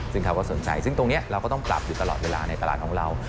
ซึ่งเขาก็สนใจซึ่งตรงนี้เราก็ต้องปรับอยู่ตลอดเวลาในตลาดของเรา